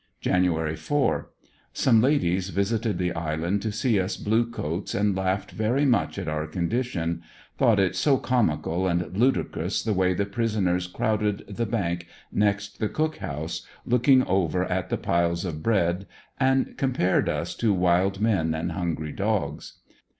Jan. 4. — Some ladies visited the island to see us blue coats, and laughed very much at our condition; thought it so comical and ludicrous the way the prisoners crowded the bank next the cook 34 ANDER80NYILLE DIARY. house, looking over at the piles of bread, and compared us to wild men, and hungry dogs.